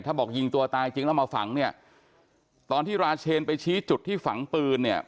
ถ้าบอกยิงตัวตายจริงแล้วมาฝังเนี่ยตอนที่ราเชนไปชี้จุดที่ฝังปืนเนี่ย